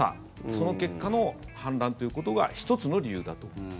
その結果の反乱ということが１つの理由だと思います。